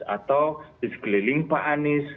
atau di sekeliling pak anies